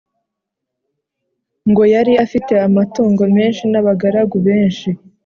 Ngo yari afite amatungo menshi n’abagaragu benshi.